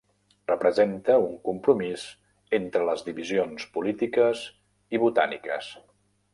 Representa un compromís entre les divisions polítiques i botàniques.